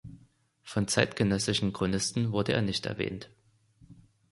Von zeitgenössischen Chronisten wurde er nicht erwähnt.